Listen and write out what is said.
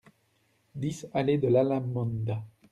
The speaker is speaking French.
dix allée de l'Alamanda